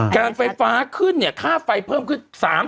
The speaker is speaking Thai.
การไฟฟ้าขึ้นเนี่ยค่าไฟเพิ่มขึ้น